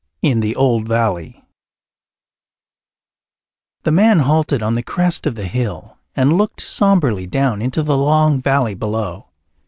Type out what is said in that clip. In the Old Valley The man halted on the crest of the hill and looked sombrely down into the long valley below.